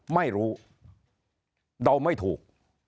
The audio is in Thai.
ไม่รู้เดาไม่ถูก